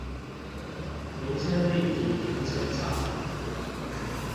民生立體停車場